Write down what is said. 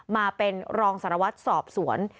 มาเป็นรองสารวัตรสอบสวน